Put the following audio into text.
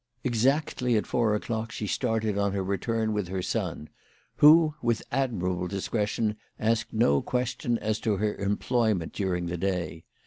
Exactly at four o'clock she started on her return with her son, who, with admirable discretion, asked no question as to her employment during the day.